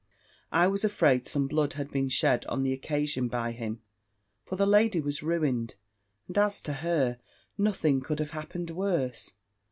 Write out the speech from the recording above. I was afraid some blood had been shed on the occasion by him: for the lady was ruined, and as to her, nothing could have happened worse.